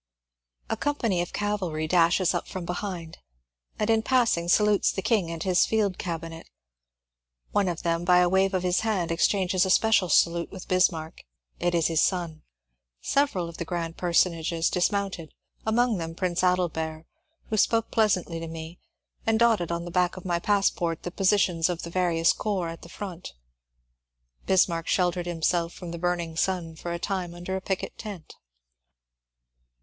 A company of cavalry dashes up from behind, and in pass ing salutes the King and his Field Cabinet. One of them by a wave of his hand exchanges a special salute with Bismarck : it 236 MONCURE DANIEL CONWAY is his son. • Several of the grand personages dismounted, among them Prince Adelbert, who spoke pleasantly to me, and dot ted on the back of my passport the positions of the various corps at the front. Bismarck sheltered himself from the burn ing sun for a time under a picket tent.